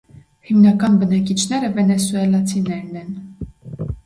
Հիմնական բնակիչները վենեսուելացիներն են։